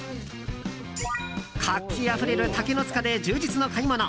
活気あふれる竹の塚で充実の買い物。